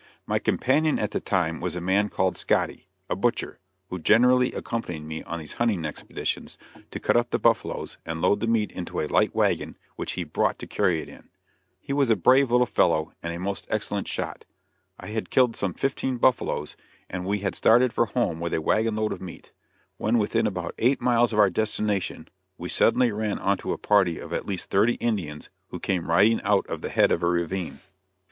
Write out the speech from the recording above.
My companion at the time was a man called Scotty, a butcher, who generally accompanied me on these hunting expeditions to cut up the buffaloes and load the meat into a light wagon which he brought to carry it in. He was a brave little fellow and a most excellent shot. I had killed some fifteen buffaloes, and we had started for home with a wagon load of meat. When within about eight miles of our destination, we suddenly ran on to a party of at least thirty Indians who came riding out of the head of a ravine.